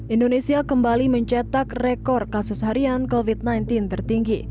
indonesia kembali mencetak rekor kasus harian covid sembilan belas tertinggi